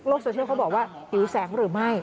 โซเชียลเขาบอกว่าหิวแสงหรือไม่